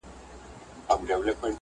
ګېډۍ، ګېډۍ ګلونه وشيندله٫